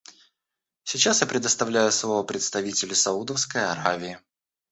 Сейчас я предоставляю слово представителю Саудовской Аравии.